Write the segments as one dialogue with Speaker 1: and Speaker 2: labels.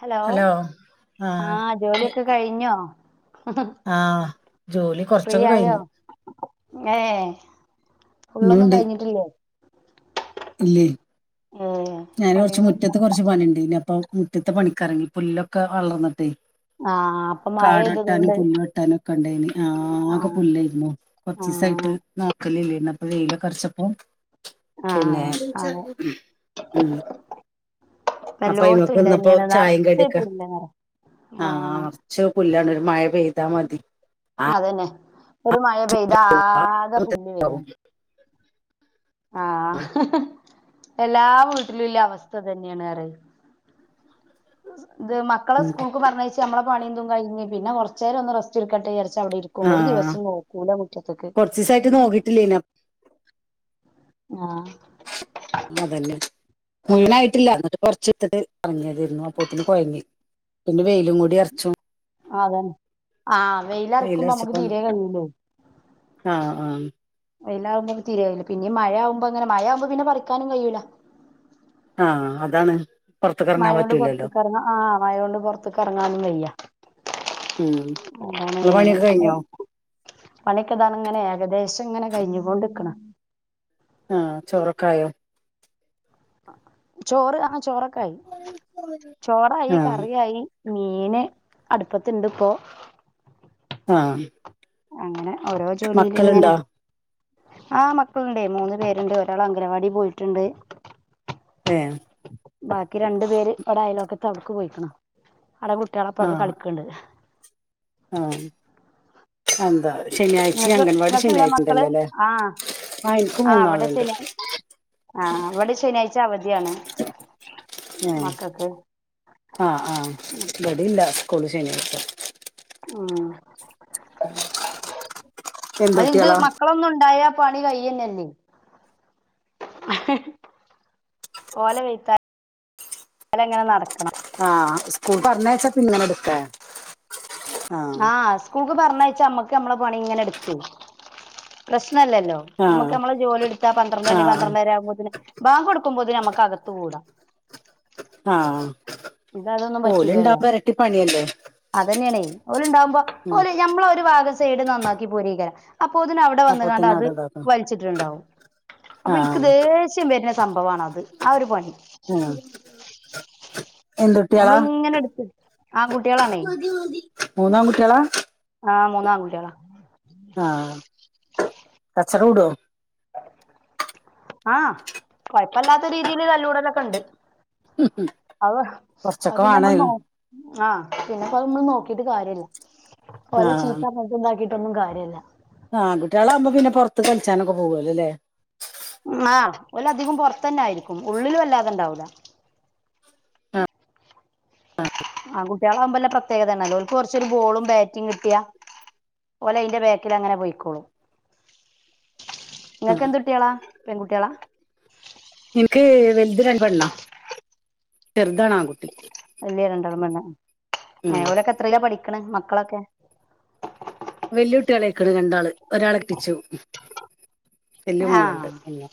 Speaker 1: Hello ആ
Speaker 2: ആഹ് കെ
Speaker 1: ജോലിയൊക്ക കഴിഞ്ഞോ
Speaker 2: ആഹ് ജോലി
Speaker 1: ഫ്രീ
Speaker 2: കൊർച്ചൊക്ക
Speaker 1: ആയോ
Speaker 2: കഴിഞ്ഞു
Speaker 1: ഏ ഫുള്ളൊന്നും
Speaker 2: ഇഞ്ഞുണ്ട്
Speaker 1: കഴിഞ്ഞിട്ടില്ലേ
Speaker 2: ഇല്ലേ
Speaker 1: ഏ
Speaker 2: ഞാന് കൊർച്
Speaker 1: പണികൾ
Speaker 2: മുറ്റത്ത് കൊർച്ച് പണിണ്ട് ഇനി അപ്പൊ മുറ്റത്തെ പണിക്കർങ്ങി പുല്ലൊക്കെ വളർന്ന്ട്ടേ
Speaker 1: ആ അപ്പൊ മഴ
Speaker 2: കാട് വെട്ടാനും
Speaker 1: പെയ്തതുകൊണ്ട്
Speaker 2: പുല്ല് വെട്ടാനു ഒക്ക ഇണ്ടായിന്
Speaker 1: ആ
Speaker 2: ആക പുല്ല് ആയിരുന്നു
Speaker 1: ആ
Speaker 2: കൊർചീസായിട്ട് നോക്കല് ഇല്ലെയിരുന്നു അപ്പൊ വെയിലൊക്കെ അർചപ്പോ
Speaker 1: ആ
Speaker 2: പിന്നെ
Speaker 1: അതെ
Speaker 2: ഉം അപ്പ
Speaker 1: എല്ലോടത്തും
Speaker 2: അയിമക്ക്
Speaker 1: ഇല്ല
Speaker 2: നിന്നപ്പോ
Speaker 1: തന്നെയാണ്
Speaker 2: ചായിം
Speaker 1: നിറച്ച്
Speaker 2: കടിക്കെ
Speaker 1: പുല്ല് നിറ
Speaker 2: ആ ച്ചു പുല്ലാണ് ഒരു മഴ പെയ്താ മതി
Speaker 1: അതന്നെ ഒരു മഴ പെയ്ത ആക പുല്ല് വരാണ് ആ എല്ലാ വീട്ടിലുല്ല അവസ്ഥ ഇതന്നെണ് പറേ ഇത് മ മക്കള സ്കൂൾക്ക് പർഞ്ഞയ്ച്ച് നമ്മള പണി ഇതും കഴിഞ്ഞ് പിന്ന കൊർചെരം ഒന്ന് റസ്റ്റ് ഇട്ക്കട്ടെ വിചാര് ച്ച അവ്ടെ ഇര്ക്കും ഒരു ദിവസം നോക്കൂല മുറ്റത്ത്ക്ക്
Speaker 2: കൊർച്ചീസായിട്ട് നോക്കീട്ട് ഇല്ലേനി അ
Speaker 1: ആ
Speaker 2: അതന്നെ മുഴുവനായിട്ടില്ല ന്നട്ട് പ്പൊ കൊർച്ച് ഇട്ത്ത്ട്ട് എർങ്ങിയതെയിരുന്നു അപ്പൊത്തിന് കോഴങ്ങി ഇഞ് വെയിലും കൂടി അർച്ചു
Speaker 1: അതന്നെ ആ വെയില അർക്കുമ്പം നമ്മക്ക്
Speaker 2: വെയിലറച്ചപ്പം
Speaker 1: തീരെ കയ്യൂലെ
Speaker 2: ആഹ് ആഹ്
Speaker 1: വെയിലാവുമ്പം തീരെ കയ്യൂല പിന്നിം മഴയാവുമ്പ അങ്ങനെ മഴ ആവുമ്പോ പിന്നെ പറിക്കാനും കയ്യൂല
Speaker 2: ആ അതാണ് പൊറത്ത്ക്ക് എറങ്ങാൻ
Speaker 1: മയൊണ്ട്
Speaker 2: പറ്റൂലല്ലോ
Speaker 1: പോർത്ത്ക്ക് എർങ്ങാ ആ മയൊണ്ട് പോർത്ത്ക്ക് എർങ്ങാനും വയ്യ
Speaker 2: ഉം ഇങ്ങളെ
Speaker 1: അതാണ്.
Speaker 2: പണിയൊക്കെ കഴിഞ്ഞോ
Speaker 1: പണിക്കതാണ് ഇങ്ങനെ ഏകദേശം, ഇങ്ങനെ കഴിഞ്ഞു കൊണ്ടിരിക്കന്ന്.
Speaker 2: ആഹ ചോറക്കായോ?
Speaker 1: ചോറ് ആഹാ ചോറൊക്കെ ആയി, ചോറയി
Speaker 2: ആഹ്
Speaker 1: കറിയായി. മീന് അടുപ്പത്തിണ്ട് ഇപ്പോ.
Speaker 2: ആഹ,
Speaker 1: അങ്ങനെ ഓരോ ജോലിയിലും ഇങ്ങനെ. ആഹാ മക്കളുണ്ട് മൂന്ന് പേരുണ്ട്, ഒരാൾ അംഗലവാടി പോയിട്ടുണ്ട്.
Speaker 2: ആഹാ,
Speaker 1: ബാക്കി രണ്ടു പേര് ഇവിടെ ആയലോക്കത്ത് അവിടക്ക്- പോയിക്കണം അവിടെ- കുട്ടികളെപ്പവിടെ കളിക്കണ്ട്.
Speaker 2: ആഹ എന്താ പറ. ശനിയാഴ്ചയും,
Speaker 1: നിങ്ങക്ക്
Speaker 2: അംഗൻവാടി
Speaker 1: നിങ്ങക്കില്ലേ
Speaker 2: ശനിയാഴ്ച
Speaker 1: മക്കള്
Speaker 2: ഉണ്ടല്ലോ അല്ലേ,
Speaker 1: ആ
Speaker 2: ആഹാ എനിക്ക് മൂന്നാളുണ്ട്.
Speaker 1: ശനി ആഹ അവിടെ ശനിയാഴ്ച അവധിയാണ്.
Speaker 2: ആഹ,
Speaker 1: മക്കൾക്ക്
Speaker 2: ആഹാ, ആഹ, ഇവിടെ ഇല്ല സ്ക്കൂള് ശനിയാഴ്ച.
Speaker 1: [unintelligible]
Speaker 2: എന്തുട്ട്യാളാ
Speaker 1: മക്കളൊന്നും ഉണ്ടായ പണി കയ്യല്ലല്ലേ. ഓലെ വഴത്താല അങ്ങനെ നടക്കണം.
Speaker 2: ആഹ സ്കൂൾ പറഞ്ഞഴച്ച പിന്നനെ എടുത്ത.
Speaker 1: ആഹ് സ്കൂൾക്ക് പറഞ്ഞഴച്ചാ, അമ്മക്ക് നമ്മളെ പണി ഇങ്ങനെ എടുത്തു പ്രശ്നല്ലല്ലോ.
Speaker 2: ആഹ്
Speaker 1: നമുക്ക് നമ്മള് ജോലി എടുത്താ പന്ത്രണ്ട മണി
Speaker 2: ആഹ്
Speaker 1: പന്ത്രണ്ടായിരം- ആകുമോതിന് ബാങ്ക് കൊടുക്കുമ്പോതിന് നമുക്ക്കു- കൂടാം.
Speaker 2: ആഹ
Speaker 1: ഇത് അതൊന്നും
Speaker 2: ഓര്ണ്ടാവബോ ഇരട്ടിപ്പണിയല്ലേ.
Speaker 1: അത്തന്നെയാണ് ഓല ഉണ്ടാകുമ്പോ ഓല മ്മള ഒരു വാഗസൈഡ്- നന്നാക്കി പോരീക്കരാം അപ്പോ- അതിന, ഇവിടെ വന്ന കാണ്ട്
Speaker 2: അപ്പൊത്തന്നെ
Speaker 1: അത്
Speaker 2: അവിടെ ഇതാക്കണം
Speaker 1: വലിച്ചിട്ടുണ്ടാവും. അപ്പോ എനിക്ക്
Speaker 2: ആഹ്
Speaker 1: ദേഷ്യം വരുന്ന- സംഭവണോ അത് ആ ഒരു പണി.
Speaker 2: ആഹ്,
Speaker 1: നമ്മള
Speaker 2: എന്തുട്ടികളാ
Speaker 1: ഇങ്ങനെ എടുത്ത് ആഹാ ആൺകുട്ടികളാണേ.
Speaker 2: മൂന്നും ആൺകുട്ടിയോളാ.
Speaker 1: ആഹ് മൂന്നും ആൺകുട്ടിയോളാ.
Speaker 2: ആഹ കച്ചറ കൂടോ.
Speaker 1: ആഹ കൊഴപ്പല്ലാത്ത രീതിയിൽ തല്ലൂടലൊക്കെ ഉണ്ട്. അവ അത്
Speaker 2: കൊറച്ചൊക്കെ
Speaker 1: പിന്നെ നമ്മൾ
Speaker 2: വേണേനും
Speaker 1: നോ- ആഹ പിന്നെപ്പോ, നമ്മള് നോക്കീട്ട് കാര്യല്ല, പോലെ ചീത്ത- ഉണ്ടാക്കിട്ടൊന്നും കാര്യമില്ല.
Speaker 2: ആൺകുട്ടികആകുമ്പോ- പിന്നെറത്ത് കളിച്ചാനൊക്കെ- പോവുവല്ല അല്ലേ?
Speaker 1: ആഹാ ഒലധികം പുറത്തന്നെ ആയിരിക്കും, ഉള്ളിൽ വല്ലാതെ ഉണ്ടാവൂല്ല.
Speaker 2: ആഹാ,
Speaker 1: ആൺകുട്ടികളാകുമ്പോല്ല, പ്രത്യേകതന്ന, ഓലേക്ക് കുറച്ചൊരു ബോളും, ബാറ്റും കിട്ടിയാ. ഓലെ അയിന്റെ ബക്കിൽ അങ്ങനെ പോയിക്കോളൂ, നിങ്ങൾക്ക് എന്ത്ട്ടികളാ? പെൺകുട്ടികള.
Speaker 2: എനിക്ക് വലുത രണ്ട് പെണ്ണാ, ചെറുതണാ ആൺകുട്ടി.
Speaker 1: വലിയ രണ്ടെളമല്ല
Speaker 2: ഉം
Speaker 1: വരൊക്കെ എത്രല്ല പഠിക്കണ മക്കളൊക്കെ.
Speaker 2: വെല്ലുവിട്ടികളക്കണ് രണ്ടാള്, ഒരാളെട്ടിച്ചു വല്ല
Speaker 1: ആഹ്
Speaker 2: മോളുണ്ട് എന്ന.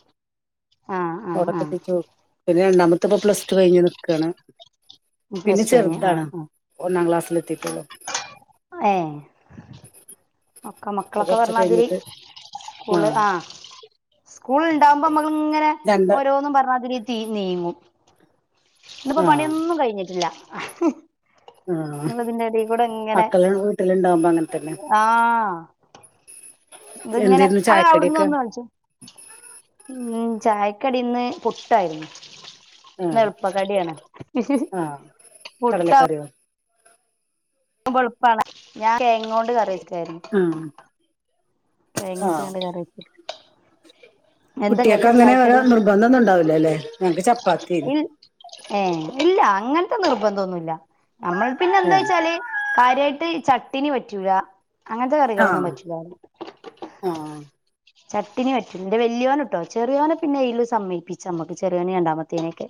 Speaker 1: ആഹ്
Speaker 2: ഓട
Speaker 1: ആഹ് ആഹ്
Speaker 2: കെട്ടിച്ചു, പിന്നെ രണ്ടാമത്തെ ഇപ്പ പ്ലസ്ടു കഴിഞ്ഞ് നിക്കാണ് പിന്നെ
Speaker 1: പ്ലസ് ടു കഴിഞ്ഞ് ആഹ്
Speaker 2: ചെറുതാണ്
Speaker 1: ആഹ്
Speaker 2: ഒന്നാം- ക്ലാസ്സിലെത്തിയിട്ടുള്ളു.
Speaker 1: ഹേ.. ഒക്കെ
Speaker 2: അത്
Speaker 1: മക്കളൊക്കെ
Speaker 2: കൊറച്ച്
Speaker 1: പറഞ്ഞതില്
Speaker 2: കഴിഞ്ഞിട്ട്
Speaker 1: സ്കൂള് ആഹ് സ്കൂള ഉണ്ടാവുമ്പോ മമ്മൂങ്ങനെ
Speaker 2: രണ്ട്
Speaker 1: ഓരോന്നും പറഞ്ഞാ രീതി തീ നീങ്ങും ഇന്നിപ്പോ
Speaker 2: ആഹ്
Speaker 1: പണിയൊന്നും കഴിഞ്ഞിട്ടില്ല
Speaker 2: ആഹ്
Speaker 1: ഇന്നിപ്പോ ഇതിന്റെ എടയിൽ കൂടെ ഇങ്ങനെ
Speaker 2: മക്കളെ വീട്ടിലുണ്ടാവുമ്പോ അങ്ങനത്തന്നെ
Speaker 1: ആഹ് ഇത് ഇങ്ങനെ
Speaker 2: എന്തായിരുന്നു
Speaker 1: അ അവിടുന്ന്
Speaker 2: ചായക്കടിയൊക്കെ
Speaker 1: ഒന്ന് കളിച്ചോ ഉം ചായക്കടി ഇന്ന് പുട്ടായിരുന്നു
Speaker 2: ആഹ്
Speaker 1: ന്നിളുപ്പ കടിയാണ്
Speaker 2: ആഹ്
Speaker 1: പുട്ടോ
Speaker 2: കടലക്കറിയോ
Speaker 1: എളുപ്പാണ് ഞാ തേങ്ങ കൊണ്ട് കറി വച്ചായിരുന്നു
Speaker 2: ഉം
Speaker 1: ക എങ്ങട്ട കണ്ട കറി വെയ്ക്ക്
Speaker 2: കുട്ടികൾക്ക അങ്ങനെ
Speaker 1: ചായക്കടി
Speaker 2: നിർബന്ധം ഒന്നും ഉണ്ടാവില്ലല്ലേ ഞങ്ങക്ക് ചപ്പാത്തി
Speaker 1: ഏഹ് ഇല്ല അങ്ങനത്തെ നിർബന്ധൊന്നുമല്ല നമ്മൾ പിന്നെ എന്താ
Speaker 2: ഏഹ്
Speaker 1: വെച്ചാല് കാര്യമായിട്ട് ചട്ടിനി പറ്റൂല അങ്ങനത്തെ കറികളൊന്നും
Speaker 2: ആഹ്
Speaker 1: പറ്റൂല്ല
Speaker 2: ആഹ്
Speaker 1: ചട്ടിനി വറ്റന്റെ വലിയോന ഇട്ടോ ചെറിയോന പിന്നെൽ സമ്മയിപ്പിച്ചു നമ്മക്ക് ചെറിയോനെ കണ്ടാമത്തേനൊക്കെ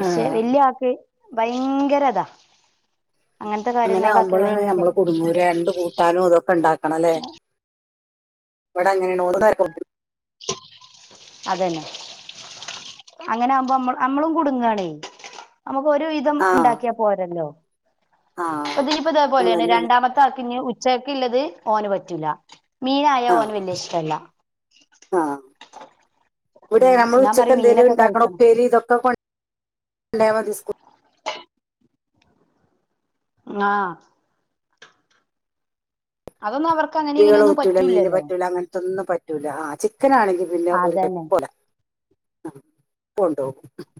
Speaker 1: പക്ഷെ
Speaker 2: ആഹ്
Speaker 1: വല്യയാക്ക് ഭയങ്കര ഇതാ അങ്ങനത്തെ
Speaker 2: അങ്ങനെ
Speaker 1: കാര്യങ്ങളിലൊക്കെ
Speaker 2: ആകുമ്പോള്
Speaker 1: ഭയങ്കര
Speaker 2: നമ്മള് കൊടുങ്ങൂ രണ്ട് കാന ഇതൊക്കെ ഉണ്ടാക്കണം അല്ലേ ഇവിടെങ്ങന
Speaker 1: അതന്നെ അങ്ങനെ ആകുമ്പോ നമ്മളും കുടുങ്ങണേ നമ്മുക്ക് ഒരു
Speaker 2: ആഹ്
Speaker 1: ഉണ്ടാക്കിയാ പോല്ലോ
Speaker 2: ആഹ്
Speaker 1: നീപ്പോ ഇതേപോലെയ
Speaker 2: അതന്നെയാണ്
Speaker 1: രണ്ടാമത്തെ ആർക്ക് ഇ ചേക്കള്ളത് ഓന് പറ്റൂല മീനായ ഓന്
Speaker 2: ആഹ്
Speaker 1: വല്യ ഇഷ്ടല്ല
Speaker 2: ആഹ് ഇവിടെ
Speaker 1: ഉം
Speaker 2: നമ്മൾ
Speaker 1: ഞാൻ
Speaker 2: ഉച്ചക്ക
Speaker 1: പറയും
Speaker 2: എന്തെേലും
Speaker 1: മീനൊക്കെ
Speaker 2: ഉണ്ടാക്കണോ
Speaker 1: കഴിക്കണം
Speaker 2: പെരി ഇതൊക്കെ കൊ ഉണ്ടായതി
Speaker 1: ആഹ് അതൊന്ന അവർക്ക് അങ്ങനെ
Speaker 2: കുരികൾ
Speaker 1: ഇങ്ങനെയൊന്നും
Speaker 2: പറ്റല ഈന
Speaker 1: പറ്റൂലല്ലോ
Speaker 2: പറ്റൂല അങ്ങനത്തൊന്നും പറ്റൂല്ല ആഹ് ചിക്കൻനാണെങ്കിൽ പിന്നെ ഒരു കപ്പട
Speaker 1: [inaudible]
Speaker 2: ആഹ് കൊണ്ടോ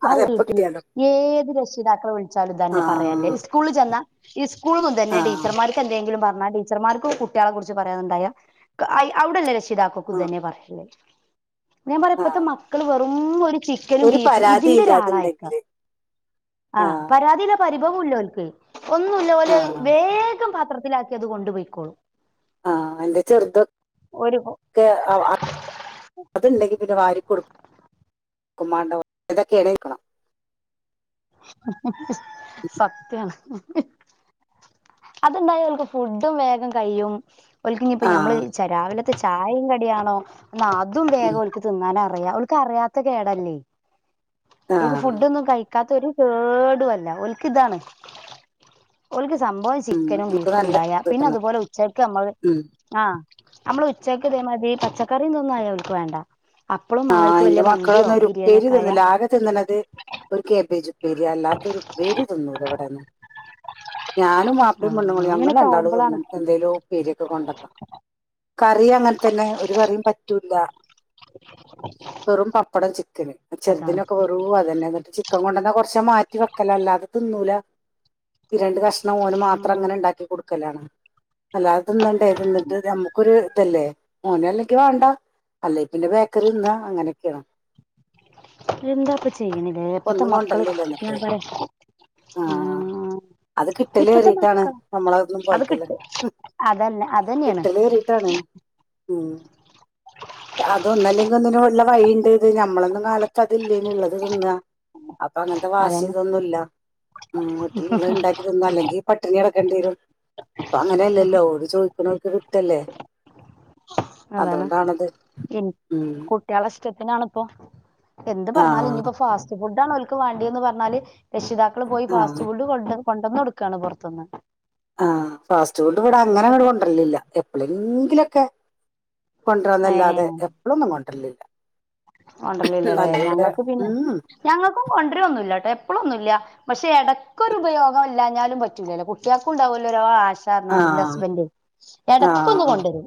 Speaker 1: ആട്ട ഏത് രക്ഷിതാക്കളെ വിളിച്ചാലും
Speaker 2: ആ
Speaker 1: തന്നെ പറയല്ലേ സ്കൂളിൽ ചെന്നാ ഈ സ്കൂള മുൻ തന്ന
Speaker 2: ആ
Speaker 1: ടീച്ചർക്ക് എന്തെങ്കിലും പറഞ്ഞാൽടി ടീച്ചർമാർക്കും കുട്ടികളെ കുറിച്ച് പറയാനണ്ടായ അവിടെല്ലേ രഷിതാക്കോക്കു
Speaker 2: ആ
Speaker 1: തന്നെ പറയല്ലേ ഞാൻ
Speaker 2: ആ
Speaker 1: പറയപ്പോത്തെ മക്കൾ വെറും ഒരു ചിക്കനും
Speaker 2: ഒരു
Speaker 1: ബീഫും
Speaker 2: പരാതി
Speaker 1: ഇതിന്റെ ഒരാളായക്കാം
Speaker 2: ഇല്ലാതുണ്ടെങ്കില്
Speaker 1: ആ പരാതി പരിഭവം ഇല്ലക്ക് ഒന്നുമല്ല പോലെ
Speaker 2: ആ
Speaker 1: വേഗം പാത്രത്തിലാക്കി അത് കൊണ്ടുപയിക്കോളും
Speaker 2: ആഹ് അതിന്റെ ചെറുത്
Speaker 1: ഒരു
Speaker 2: ഒക്കെ അത്ണ്ടെങ്കി പിന്നെ വാ കൊടുക്കും ഉമാഡോ ഇതൊക്കെടക്കും
Speaker 1: [unintelligible] അതുണ്ടായ അവക്ക് ഫുഡും വേഗം കഴിയും ഒലക്കിഞ്ഞ ഇപ്പോ
Speaker 2: ആ
Speaker 1: മ്മൾ രാവിലത്തെ ചായയും കടിയണോ എന്നാൽ അതും വേഗ
Speaker 2: ഉം,
Speaker 1: ഒലക്കി തിന്നാനൻ അറിയാം ഇക്ക് അറിയാത്ത കേടല്ലേ
Speaker 2: ആ
Speaker 1: ഫു ഒന്നും കഴ ഇക്കാക്ക് ഒരു കേടുല്ല ഓൽക്ക് ഇതാണ് ഒൽക്ക് സംഭവ
Speaker 2: ഉം,
Speaker 1: ചിക്കനും
Speaker 2: നമുക്ക്
Speaker 1: ബീഫും
Speaker 2: നല്ല
Speaker 1: ഉണ്ടായ പിന്നെ
Speaker 2: കിട്ടണം
Speaker 1: അതുപോലെ ഉച്ചയ്ക്ക് നമ്മൾ
Speaker 2: ഉം.
Speaker 1: ആഹ് നമ്മളെ ഉച്ചയ്ക്ക് ഇതേ മതി പച്ചക്കറിയ തൊന്നുല്ല അവൾക്ക് വേണ്ട അപ്പളും മാണം
Speaker 2: ആഹ്
Speaker 1: ഓൽക്ക്
Speaker 2: എന്റെ
Speaker 1: വല്യ മന്തിയോ
Speaker 2: മക്കളൊന്നും ഒരു ഉപ്പേരി
Speaker 1: ബിരിയാണിയൊക്കെ ആയാ
Speaker 2: തിന്നില്ല ആകെ തിന്നണത് ഒരു കേബേജ് ഉ പേരി അല്ലാത്തരു പേരി തിന്നേലോ അവിടെന്ന് ഞാനും
Speaker 1: ആ
Speaker 2: വാപ്പയും പെണ്ണ്ങ്ങളും
Speaker 1: അങ്ങനെയൊക്കെ
Speaker 2: ഞങ്ങൾണ്ടാളും
Speaker 1: ആവുമ്പോളാണ്
Speaker 2: ന്നും എന്തെലും ഉപേരിയൊക്കെ കൊണ്ടെന്നാ കറി അങ്ങനെ തന്നെ ഒരു കറിയും പറ്റൂല്ല
Speaker 1: [inaudible]
Speaker 2: വെറും പപ്പടം ചിക്കന്
Speaker 1: അതാണ്
Speaker 2: ചെറുദിനൊക്കെ വെ അതന്നെ എന്നിട്ട് ചിക്കൻ കൊണ്ടന്ന കൊറച്ച് മാറ്റി വെക്കല അല്ലാതെ തിന്നൂല രണ്ട് കഷ് ഓന് മാത്രം അങ്ങനെ ഉണ്ടാക്കി കൊടുക്കലാണ് അല്ലാത തിന്നണ്ടേ ഇതിന്നിട്ട് നമുക്കൊരു ഇല്ലേ ഓന അല്ലക്ക് വേണ്ട അല്ലെ പിന്നെ ബേക്കറി നിന്ന അങ്ങനെയൊക്കെയാണ്
Speaker 1: എന്താപ്പ ചെയ്യണില്ലേ
Speaker 2: ഇപ്പൊ
Speaker 1: എപ്പത്തെ
Speaker 2: ഒന്നും
Speaker 1: മക്കള്
Speaker 2: കൊണ്ടല്ലില്ല
Speaker 1: ഞൻ
Speaker 2: എന്നിട്ട്
Speaker 1: പറയാ ആ
Speaker 2: അത്
Speaker 1: ഇപ്പത്തെ
Speaker 2: കിട്ടലേറിയിട്ടാണ്
Speaker 1: മക്കളാ
Speaker 2: നമ്മളതൊന്നും
Speaker 1: അത്
Speaker 2: പോലത്തല്ല
Speaker 1: കിട്ട് അതന്നെ അതന്നെയാണ്
Speaker 2: ഓഹ് അതൊന്നല്ലെങ്കിൽ ഒന്നിന് വഴി ഉണ്ടെന് ഞമ്മളൊന്നും കാലത്ത് അതില്ലെന് ഉള്ളത് തിന്നാ അപ്പൊ അങ്ങനത്തെ വാശി
Speaker 1: അതന്നെ
Speaker 2: ഇതൊന്നു ഇല്ല ആട്ട ഉണ്ടാക്കി തിന്ന അല്ലെങ്കിൽ പട്ടിണി കിടക്കേണ്ടിരും അങ്ങനെയ അല്ലല്ലോ ഒരു ചോദ പക്കക്ക് കിട്ടല്ലേ
Speaker 1: അതാണ്
Speaker 2: അതുകൊണ്ടാണത് ഉം
Speaker 1: കുട്ടികളെ ഇഷ്ടത്തിനാണിപ്പൊ എന്ത് പറഞ്ഞാലും
Speaker 2: ആഹ്
Speaker 1: ഇനിയിപ്പോ ഫാസ്റ്റ് ഫുഡ്‌ ആണ് ഒക്ക് വേണ്ടിയന്ന് പറഞ്ഞാല് രക്ഷിതാക്കൾ പോയി
Speaker 2: ആഹ്
Speaker 1: ഫാസ്റ്റ് ഫുഡ് കൊണ്ട കൊണ്ടൊന്ന് കൊടുക്കുകയാണ് പുറത്തുന്ന്
Speaker 2: ആ ഫാസ്റ്റ് ഫുഡ് ഇവിട അങ്ങനെ ഇവിടെ കൊണ്ടരലില്ല എപ്പഴെങ്കിലൊക്കെ കൊണ്ടരന്നല്ലാതെ
Speaker 1: ഏ
Speaker 2: എപ്പോഴൊന്നും കൊണ്ടരലില്ല
Speaker 1: കൊണ്ടരലില്ലല്ലേ
Speaker 2: എന്നാലേ ഇവിടെ
Speaker 1: ഞങ്ങൾക്ക് പിന്നെ
Speaker 2: ഉം
Speaker 1: ഞങ്ങൾക്കും കൊണ്ടര ഒന്നുല്ല ഇല്ലാട്ടോ എപ്പഴുംഒന്നുമില്ല പക്ഷെ ഇടക്കൊരു ഉപയോഗം ഇല്ലാഞ്ഞാലും പറ്റൂലല്ലോ കുട്ടികൾക്കും ഉണ്ടാവൂലോ ആശ ണാന്റെ
Speaker 2: ആഹ്
Speaker 1: ഹസ്ബൻഡ് എടക്ക് ഒന്ന്
Speaker 2: ആഹ്
Speaker 1: കൊണ്ടുവരും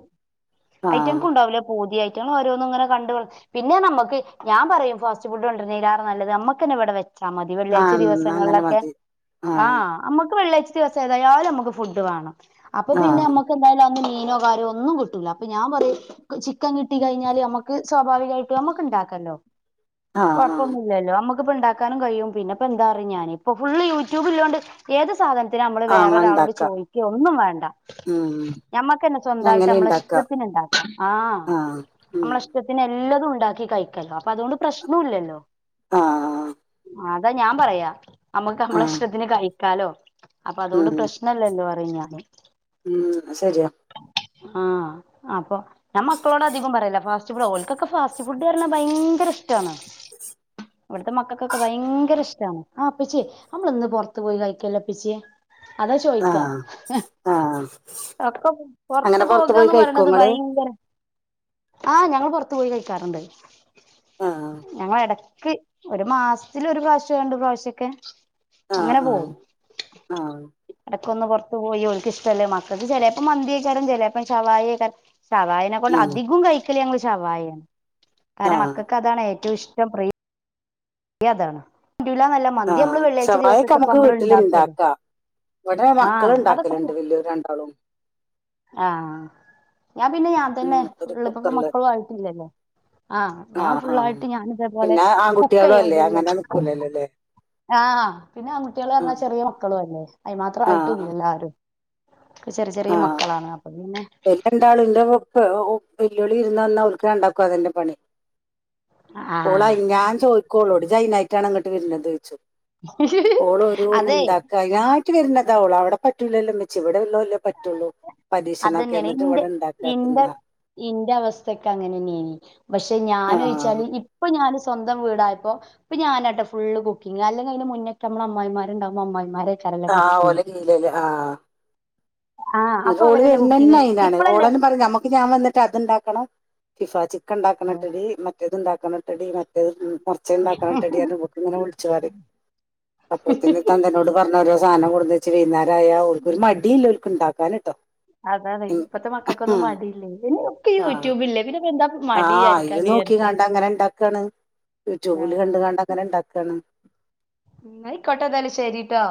Speaker 2: ആഹ്
Speaker 1: ഐറ്റംങ്ങൾക്ക് ഉണ്ടാവില്ലേ പൂതി ൾ ഓരോന്ന് ഇങ്ങനെ കണ്ട പിന്നെ നമുക്ക് ഞാൻ പറയും ഫാസ്റ്റ് ഫുഡ്ണ്ടരുന്ന ആ നല്ലത് അമ്മക്കെ ഇവിടെ ചമതി വെള്ളിയാഴ്ച
Speaker 2: ആഹ് എന്നാ അങ്ങനെ
Speaker 1: ദിവസങ്ങളിലൊക്കെ
Speaker 2: മതി ആഹ്
Speaker 1: ആഹ നമുക്ക് വെള്ളിയാഴ്ച ദിവസം ഏതായാലും നമുക്ക് ഫുഡ് വേണം അപ്പൊ പിന്നെ
Speaker 2: ആഹ്
Speaker 1: നമ്മുക്ക് എന്തായാലും അന്ന് മീനോ കാര്യോ ഒന്നും കിട്ടൂല്ല അപ്പൊ ഞാൻ പറയും ചിക്കൻ കിട്ടി കഴിഞ്ഞാല് നമുക്ക് സ്വാഭാവികമായിട്ട് നമക്ക് ഉണ്ടാക്കല്ലോ
Speaker 2: ആഹ്
Speaker 1: കൊഴപ്പൊ
Speaker 2: ആഹ്
Speaker 1: ഇല്ലല്ലോ നമുക്കിപ്പ ഉണ്ടാക്കാനും കഴിയും പിന്ന ഇപ്പ എന്താറ ഞാനിപ്പൊ ഫുള്ള് യൂട്യൂബ് ഇല്ലാണ്ട് ഏത് സാധനം നമ്മള്
Speaker 2: അങ്ങനെ
Speaker 1: വേറൊരാളോട്
Speaker 2: ഉണ്ടാക്കാം
Speaker 1: ചോദിക്കുക ഒന്നും വേണ്ട
Speaker 2: ഉം
Speaker 1: ഞമ്മക്ക്ന്നെ സ്വന്തമായിട്ട്
Speaker 2: അങ്ങനെ
Speaker 1: നമ്മള
Speaker 2: ഉണ്ടാക്കാം
Speaker 1: ഇഷ്ടത്തിന് ഉണ്ടാക്കും ആഹ്
Speaker 2: ആ ഉം.
Speaker 1: നമ്മള ഇഷ്ട്ടത്തിന് എല്ലാതും ഉണ്ടാക്കി കഴിക്കല്ലോ അപ്പൊ അതുകൊണ്ട് പ്രശ്നം ഇല്ലല്ലോ
Speaker 2: ആഹ്
Speaker 1: അതാ ഞാൻ പറയാ നമുക്ക്
Speaker 2: ആ
Speaker 1: നമ്മളെ ഇഷ്ടത്തിന് കഴിക്കാലോ അപ്പൊ അതുകൊണ്ട്
Speaker 2: ഉം.
Speaker 1: പ്രശ്ന ല്ല എന്ന് പറാണ്
Speaker 2: ഉം ശരിയാ
Speaker 1: ആഹ അപ്പൊ ഞാൻ മക്കളോട് അധികം പറയല്ല ഫാസ്റ്റ് ഫുഡ് ഓൾക്കൊക്കെ ഫാസ്റ്റ് ഫാസ്റ്റ്ഫുഡ് പറണാ ഭയങ്കര ഇഷ്ടമാണ് ഇവിടത്തെ മക്കൾക്കൊക്കെ ഭയങ്കര ഇഷ്ടമാണ് ആ ഉപ്പേചി നമ്മള ഇന്ന് പുറത്ത് പോയി കഴിക്കല്ലപ്പിച്ചേ
Speaker 2: ആഹ് ആഹ്
Speaker 1: ഒക്കെ പുറത്ത് പോകാന്ന് പറയണത് ഭയങ്കര ആഹ് ഞങ്ങള് പുറത്ത് പോയി കഴിക്കാറുണ്ട്
Speaker 2: ആ
Speaker 1: ഞങ്ങള് ഇടക്ക് ഒരു മാസത്തില് ഒരു പ്രാവശ്യാം രണ്ട് പ്രാവശ്യൊക്കെ
Speaker 2: ആ
Speaker 1: അങ്ങനെ
Speaker 2: ആ
Speaker 1: പോകും
Speaker 2: ആ
Speaker 1: ഇടക്കൊന്ന് പുറത്ത് പോയി ഓക്ക് ഇഷ്ടമല്ലേ മക്കൾക്ക് ചിലപ്പം മന്തികയിക്കാനും ചിലപ്പം ശവായി ഷവായനെ കൊണ്ട്
Speaker 2: ഉം
Speaker 1: അധികോം കഴിക്കല് ഞങ്ങള് ഷവായാണ്
Speaker 2: ആ
Speaker 1: കാരണം മക്കൾക്ക് അതാണ് ഏറ്റവും ഇഷ്ടം പ്രിയ പ്രിയം അതാണ് [unintelligible]
Speaker 2: ആഹ്
Speaker 1: വെള്ളിയാഴ്ച
Speaker 2: ഷവായി ഒക്കെ
Speaker 1: ദിവസൊക്കെ ഇപ്പ
Speaker 2: നമുക്ക്
Speaker 1: നമ്മള്
Speaker 2: വീട്ടില്
Speaker 1: ഉണ്ടാക്കല്ലേ
Speaker 2: ഇണ്ടാക്കാം ഇവിടെ
Speaker 1: ആ
Speaker 2: മക്കള്
Speaker 1: അതൊക്കെ
Speaker 2: ഉണ്ടാക്കലുണ്ട് വലിയോര് രണ്ടാളും
Speaker 1: ആഹ് ഞാൻ പിന്നെ ഞാൻ
Speaker 2: ഉം,
Speaker 1: തന്നെ
Speaker 2: ഒരു
Speaker 1: ഇള്ളപ്പോ
Speaker 2: കുക്കറില്
Speaker 1: മക്കളും ആയിട്ടില്ലല്ലോ ആഹ്
Speaker 2: ആ
Speaker 1: ഞാൻ
Speaker 2: ആ
Speaker 1: ഫുള്ളായിട്ട് ഞാൻ ഇതേപോലെ
Speaker 2: പിന്നെ
Speaker 1: കുക്ക്
Speaker 2: ആൺകുട്ടികളും
Speaker 1: ചെയ്യും
Speaker 2: അല്ലേ
Speaker 1: ഫുള്ള്
Speaker 2: അങ്ങനെ നിക്കൂലല്ലോ അല്ലേ
Speaker 1: ആഹ് പിന്നെ ആൺകട്ടികള്
Speaker 2: ആ
Speaker 1: പറഞ്ഞാ ചെറിയ മക്കളും അല്ലേ അയിന് മാത്രം
Speaker 2: ആ
Speaker 1: ആയിട്ടും
Speaker 2: ആ
Speaker 1: ഇല്ലല്ലോ ആരും ചെറി ചെറിയ മക്കളാണ് അപ്പം പിന്നെ
Speaker 2: ഓല് രണ്ടാളും ഇന്റെ മോക്ക് വെല്യോള് വിര്ന്നന്നാ ഓൽക്ക് രണ്ടാക്കും അതെന്നെ പണി ഓള്
Speaker 1: ആഹ്
Speaker 2: അയ് ഞാൻ ചോദിക്കോളോട് ഇജ് അയിനായിട്ടാണൊ ഇങ്ങട്ട് വരണത് ചോയ്ച്ചും ഓള്
Speaker 1: അതെ
Speaker 2: ഓരോന്നുണ്ടാ അയിനാട്ട് വരണതാ ഓള് അവടെ പറ്റൂല്ലല്ലോ മ്മച്ചേ ഇവടെള്ളല്ലേ പറ്റൊള്ളൂ പരീക്ഷണം
Speaker 1: അതന്നെയാണ്
Speaker 2: ക്കെന്നിട്ട്
Speaker 1: ഇന്റെ
Speaker 2: ഇവടെ ഇണ്ടാക്ക
Speaker 1: ഇന്റെ
Speaker 2: തിന്നാ
Speaker 1: ഇന്റെ അവസ്ഥൊക്കെ അങ്ങനെന്നെയ്നി പക്ഷെ
Speaker 2: ആഹ്
Speaker 1: ഞാന്ച്ചാല് ഇപ്പം ഞാന് സ് സ്വന്തം വീടായപ്പം ഇപ്പം ഞാനാട്ടൊ ഫുള്ള് കുക്കിംഗ് അല്ലെങ്കി അയ്ൻ്റെ മുന്നെക്കെ ഞമ്മളെ അമ്മായമ്മാരണ്ടാവുമ്പ അമ്മായിമ്മാരെ [unintelligible]
Speaker 2: ആഹ് ഓല
Speaker 1: കുക്കിംഗ്
Speaker 2: കീഴിലല്ലേ
Speaker 1: ആഹ് അപ്പൊ
Speaker 2: ഇന്നട്ട് ഓള്
Speaker 1: അവരല്ലേ
Speaker 2: വരന്നന്നെ
Speaker 1: കുക്കിങ്
Speaker 2: അയിനാണ്
Speaker 1: ഇപ്പളല്ലേ
Speaker 2: ഓളന്നെ പറിം ഞമ്മക്ക് ഞാൻ വന്നിട്ട് അത്ണ്ടാക്കണം ഫിഫാജ് ക്കെ
Speaker 1: ആ.
Speaker 2: ഉണ്ടാക്കണട്ടെടി മറ്റേത് ഉണ്ടാക്കണട്ടെടി മറ്റേത് മർച്ചത് ഉണ്ടാക്കണട്ടടിയർഞ്ഞ് ഇവക്ക് ഇങ്ങനെ വിളിച്ച് പറിം അപ്പോത്തേന് തന്തേനോട് പറഞ്ഞ് ഓരോ സാധനം കൊടുന്നെച്ച് വൈന്നാരായ ഓൽക്കൊര് മടിയില്ല ഓൽക്ക്ണ്ടാക്കാനുട്ടോ
Speaker 1: അതാണ് ഇപ്പത്തെ മക്കക്കൊന്നും മടിയില്ലേ പിന്നെ ഒക്കെ ഈ
Speaker 2: ആഹ്
Speaker 1: യൂട്യൂബില്ലേ പിന്നെ ഇപ്പം എന്താപ്പം മടി
Speaker 2: ആഹ് അയില്
Speaker 1: വിചാരിക്കാന് വിചാരിച്ച്
Speaker 2: നോക്കികാണ്ടങ്ങനെ ഇണ്ടാക്കാണ് യൂട്യൂബില്
Speaker 1: ആഹ്
Speaker 2: കണ്ട്കാണ്ടങ്ങനെ ഇണ്ടാക്കാണ്
Speaker 1: ഇന്നായിക്കൊട്ടെന്നാല് ശെരിട്ടൊ